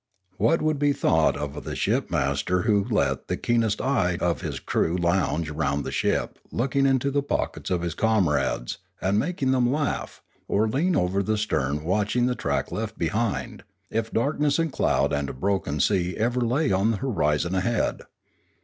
What would be thought of the shipmaster who let the keenest eyed of his crew lounge round the ship looking into the pockets of his comrades and making them laugh, or lean over the stern watching the track left behind, if darkness and cloud and a broken sea ever lay on the horizon ahead